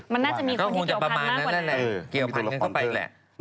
อ๋อมันน่าจะมีคนที่เกี่ยวพันธุ์มากกว่านั้นแหละมีตัวละครเพิ่ม